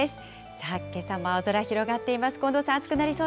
さあ、けさも青空広がっています。